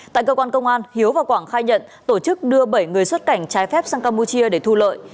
tại cơ quan công an hiếu và quảng khai nhận tổ chức đưa bảy người xuất cảnh trái phép sang campuchia để thu lợi